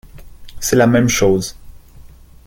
C’est la même chose